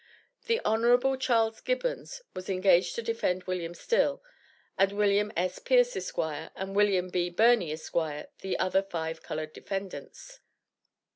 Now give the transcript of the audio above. The Hon. Charles Gibbons, was engaged to defend William Still, and William S. Pierce, Esq., and William B. Birney, Esq., the other five colored defendants.